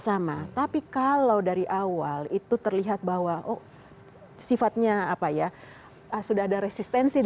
sama tapi kalau dari awal itu terlihat bahwa oh sifatnya apa ya sudah ada resistensi dari awal memang kesini akhirnya